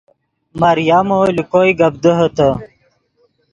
مریمو لے کوئے گپ دیہے تے